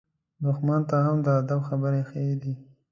دښمن ته هم د ادب خبرې ښه دي.